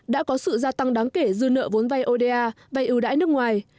đã có sự gia tăng đáng kể dư nợ vốn vay oda vay ưu đãi nước ngoài